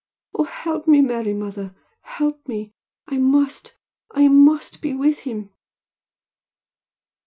Oh, help me, Mary mother! Help me! I must I must be with him!"